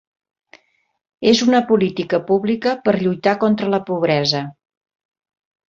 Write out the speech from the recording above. És una política pública per lluitar contra la pobresa.